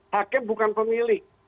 hakem bukan pemilik